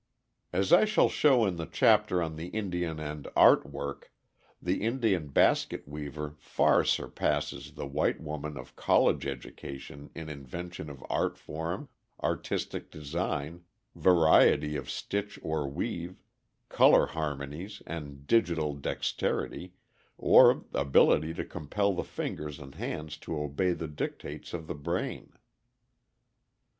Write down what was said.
As I shall show in the chapter on the Indian and art work, the Indian basket weaver far surpasses the white woman of college education in invention of art form, artistic design, variety of stitch or weave, color harmonies, and digital dexterity, or ability to compel the fingers and hands to obey the dictates of the brain.